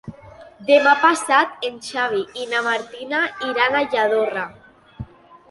Demà passat en Xavi i na Martina iran a Lladorre.